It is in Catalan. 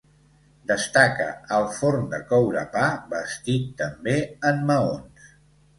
Destaca el forn de coure pa, bastit també en maons.